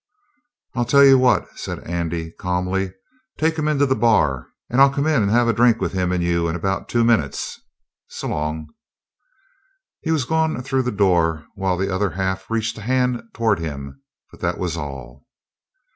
"I'll tell you what," said Andy calmly. "Take him in to the bar, and I'll come in and have a drink with him and you in about two minutes. S'long." He was gone through the door while the other half reached a hand toward him. But that was all.